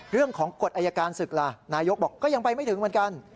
เรื่องของกฎอายการศึกลานายยกบอกก็ยังไปไม่ถึงเหมือนกัน